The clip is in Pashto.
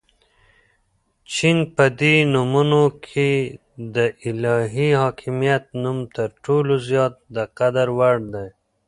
چې په دي نومونو كې دالهي حاكميت نوم تر ټولو زيات دقدر وړ دى